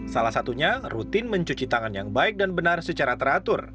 salah satunya rutin mencuci tangan yang baik dan benar secara teratur